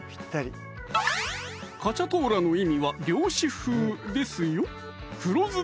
カチャトーラの意味は漁師風ですよ